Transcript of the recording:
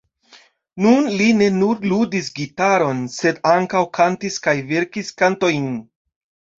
Nun li ne nur ludis gitaron, sed ankaŭ kantis kaj verkis kantojn.